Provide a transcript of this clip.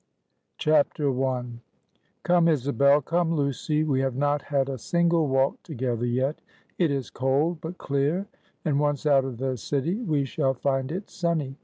I. "Come, Isabel, come, Lucy; we have not had a single walk together yet. It is cold, but clear; and once out of the city, we shall find it sunny.